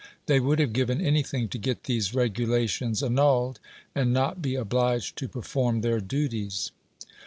They would have given anything to get these regulations annulled, and not be obliged to perform their duties.